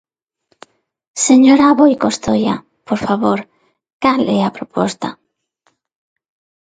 Señora Aboi Costoia, por favor, ¿cal é a proposta?